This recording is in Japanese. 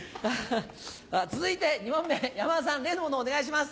続いて２問目山田さん例のものお願いします。